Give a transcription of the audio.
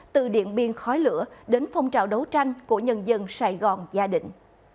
từ điện biên khói lửa đến phong trào đấu tranh của nhân dân sài gòn gia đình